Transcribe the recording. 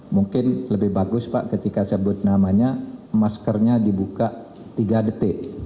mungkin lebih bagus pak ketika sebut namanya maskernya dibuka tiga detik